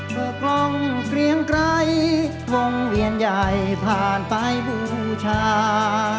เพื่อกล้องเกรียงไกรวงเวียนใหญ่ผ่านไปบูชา